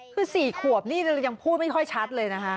คือ๔ขวบนี่ยังพูดไม่ค่อยชัดเลยนะคะ